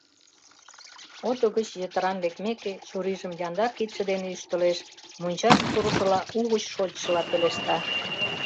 Ото гыч йытыран лекмеке, чурийжым яндар кидше дене ӱштылеш, мончаш пурышыла, угыч шочшыла пелешта: